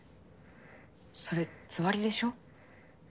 それつわりでしょ？